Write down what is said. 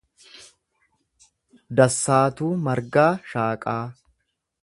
Dassaatuu Margaa Shaaqaa